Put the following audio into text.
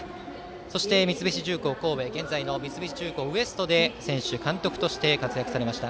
そして、三菱重工神戸現在の三菱重工Ｗｅｓｔで選手、監督として活躍されました。